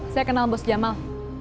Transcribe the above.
saya kenal bos jamal